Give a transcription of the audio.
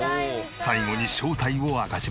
最後に正体を明かします。